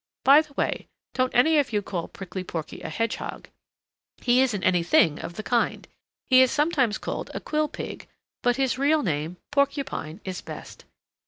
By the way, don't any of you call Prickly Porky a Hedgehog. He isn't any thing of the kind. He is sometimes called a Quill Pig, but his real name, Porcupine, is best.